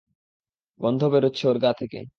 গন্ধ বেরোচ্ছে ওর গা থেকে।